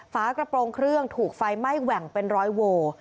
ฝากระโปรงเครื่องถูกไฟไหม้แหว่งเป็นร้อยโว